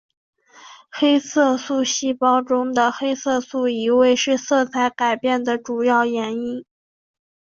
黑色素细胞中的黑色素易位是色彩改变的最主要原因。